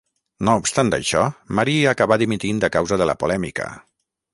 No obstant això, Marí acabà dimitint a causa de la polèmica.